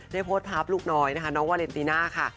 โพสต์ภาพลูกน้อยนะคะน้องวาเลนติน่าค่ะ